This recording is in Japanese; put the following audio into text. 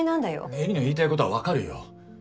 絵里の言いたいことはわかるよ。